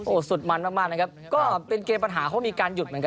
โอ้โหสุดมันมากมากนะครับก็เป็นเกมปัญหาเขามีการหยุดเหมือนกัน